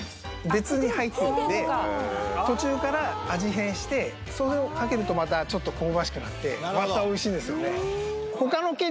別に入ってるんで途中から味変してそれをかけるとまたちょっと香ばしくなってまたおいしいんですよね